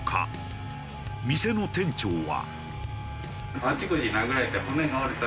店の店長は。